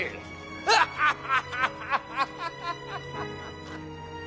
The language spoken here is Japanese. ハハハハハ！